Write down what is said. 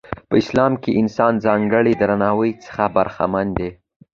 په اسلام کې انسان ځانګړي درناوي څخه برخمن دی.